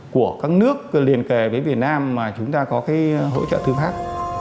của các nước liên kề với việt nam mà chúng ta có cái hỗ trợ thư pháp